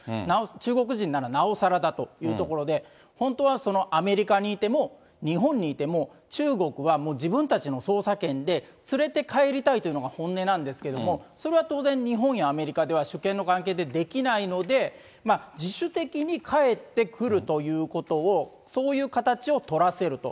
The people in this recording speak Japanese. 中国人ならなおさらだということで、本当はアメリカにいても、日本にいても、中国はもう自分たちの捜査権で連れて帰りたいというのが本音なんですけれども、それは当然、日本やアメリカでは主権の関係でできないので、自主的に帰ってくるということを、そういう形を取らせると。